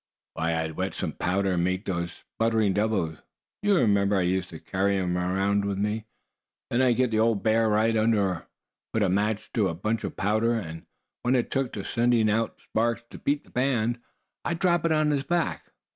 "Why, I'd wet some powder, and make those sputtering 'devils' you remember I used to carry around with me. Then I'd get the old bear right under, put a match to a bunch of the powder, and when it took to sending out sparks to beat the band, I'd drop it on his back.